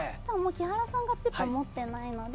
木原さんがチップ持ってないので